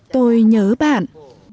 tôi nhớ bạn